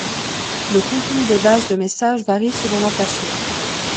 Le contenu des bases de messages varie selon l'emplacement.